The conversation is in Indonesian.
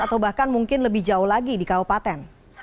atau bahkan mungkin lebih jauh lagi di kabupaten